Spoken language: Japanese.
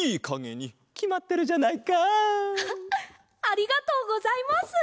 ありがとうございます！